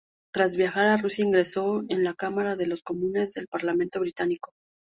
Tras viajar a Rusia, ingresó en la Cámara de los Comunes del Parlamento Británico.